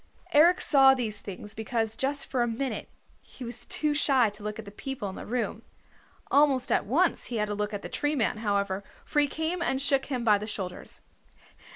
Eric saw these things because just for a minute he was too shy to look at the people in the room. Almost at once he had to look at the Tree Man, however, for he came and shook him by the shoulders.